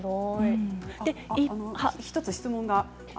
１つ質問が。